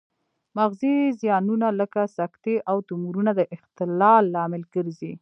مغزي زیانونه لکه سکتې او تومورونه د اختلال لامل ګرځي